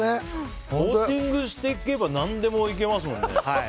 コーティングしていけば何でもいけますもんね。